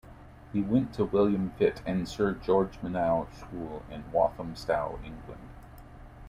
He went to William Fitt and Sir George Monoux School in Walthamstow, London.